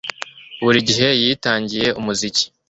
Buri gihe yitangiye umuziki